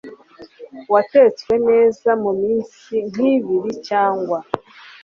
watetswe neza mu minsi nk’ibiri cyangwa